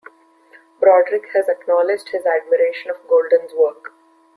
Broderick has acknowledged his admiration of Golden's work.